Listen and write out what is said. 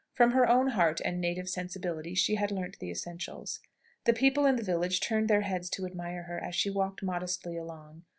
From her own heart and native sensibility she had learnt the essentials. The people in the village turned their heads to admire her, as she walked modestly along.